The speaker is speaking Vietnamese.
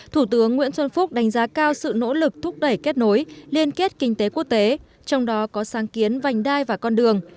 thủ tướng nguyễn xuân phúc đánh giá cao sự nỗ lực thúc đẩy kết nối liên kết kinh tế quốc tế trong đó có sáng kiến vành đai và con đường